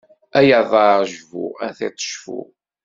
Ay aḍaṛ jbu, a tiṭ cfu!